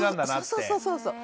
そうそうそうそう。